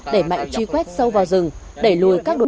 để mạnh truy quét sâu vào rừng để lùi các đối tượng